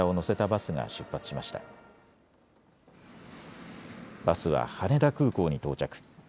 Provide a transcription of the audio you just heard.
バスは羽田空港に到着。